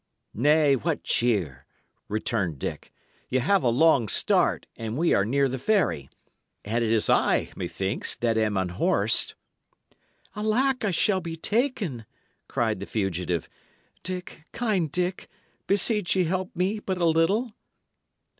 "Nay, what cheer!" returned Dick. "Y' have a long start, and we are near the ferry. And it is I, methinks, that am unhorsed." "Alack, I shall be taken!" cried the fugitive. "Dick, kind Dick, beseech ye help me but a little!"